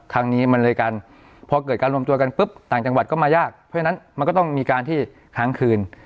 ครั้งนี้มันเลยการพอเกิดการรวมตัวกันปุ๊บต่างจังหวัดก็มายากเพราะฉะนั้นมันก็ต้องมีการที่ค้างคืน